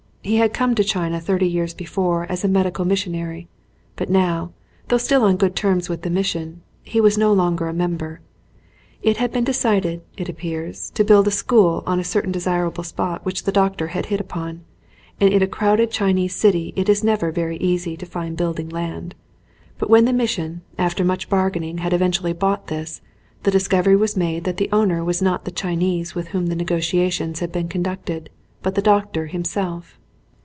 He had come to China thirty years before as a medical missionary, but now, though still on good terms with the mission, he was no longer a mem ber. It had been decided, it appears, to build a school on a certain desirable spot which the doctor had hit upon, and in a crowded Chinese city it is never very easy to find building land, but when the mission after much bargaining had eventually bought this the discovery was made that the owner was not the Chinese with whom the negotiations had been conducted, but the doctor himself.